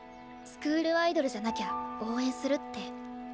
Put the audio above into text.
スクールアイドルじゃなきゃ応援するって。